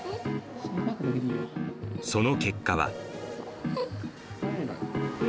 その結果は。